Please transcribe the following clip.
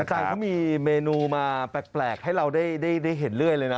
อาจารย์เขามีเมนูมาแปลกให้เราได้เห็นเรื่อยเลยนะ